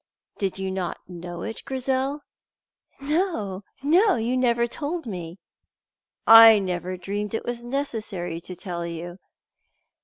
"Did you not know it, Grizel?" "No, no; you never told me." "I never dreamed it was necessary to tell you."